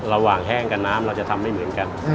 แห้งกับน้ำเราจะทำไม่เหมือนกัน